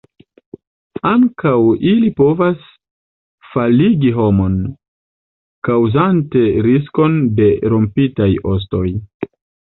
Ankaŭ ili povas faligi homon, kaŭzante riskon de rompitaj ostoj.